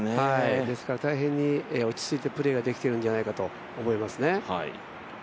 大変に落ち着いてプレーができているんじゃないかと思いますね。